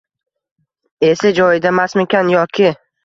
Esi joyidamasmikan yoki